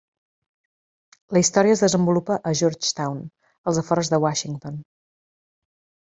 La història es desenvolupa a Georgetown als afores de Washington.